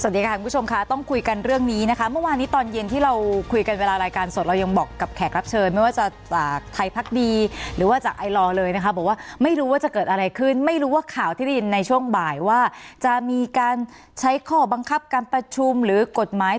คุณผู้ชมค่ะต้องคุยกันเรื่องนี้นะคะเมื่อวานนี้ตอนเย็นที่เราคุยกันเวลารายการสดเรายังบอกกับแขกรับเชิญไม่ว่าจะจากไทยพักดีหรือว่าจากไอลอร์เลยนะคะบอกว่าไม่รู้ว่าจะเกิดอะไรขึ้นไม่รู้ว่าข่าวที่ได้ยินในช่วงบ่ายว่าจะมีการใช้ข้อบังคับการประชุมหรือกฎหมาย